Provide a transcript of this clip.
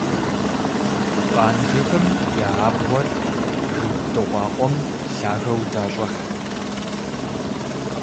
Къанжэхэм я абгъуэр жыг дыкъуакъуэм лъагэу дащӀыхь.